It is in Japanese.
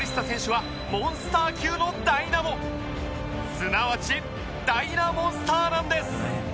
すなわちダイナモンスターなんです！